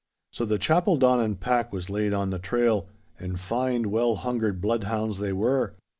'So the Chapeldonnan pack was laid on the trail, and fine well hungered bloodhounds they were.